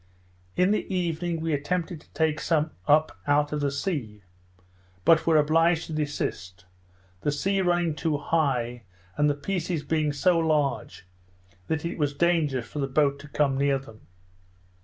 In the evening, we attempted to take some up out of the sea, but were obliged to desist; the sea running too high, and the pieces being so large, that it was dangerous for the boat to come near them.